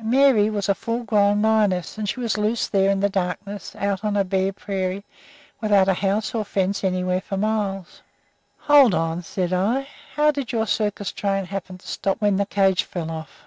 Mary was a full grown lioness, and she was loose there in the darkness, out on a bare prairie, without a house or a fence anywhere for miles." "Hold on," said I; "how did your circus train happen to stop when the cage fell off?"